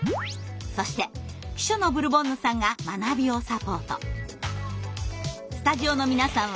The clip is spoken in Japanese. そして秘書のブルボンヌさんが学びをサポート。